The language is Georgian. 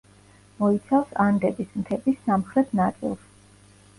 მოიცავს ანდების მთების სამხრეთ ნაწილს.